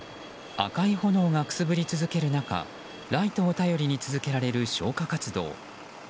赤い炎がくすぶり続ける中ライトを頼りに続けられる消火活動。